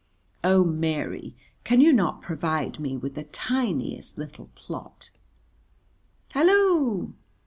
Oh, Mary, can you not provide me with the tiniest little plot? Hallo!